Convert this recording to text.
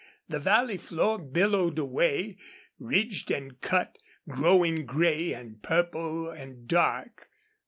The valley floor billowed away, ridged and cut, growing gray and purple and dark.